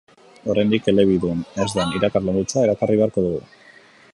Oraindik elebidun ez den irakasle multzoa erakarri beharko dugu.